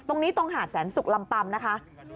ตรงนี้ตรงหาดแสนสุกลำปัมนะคะ